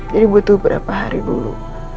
jadi butuh berapa hari dulu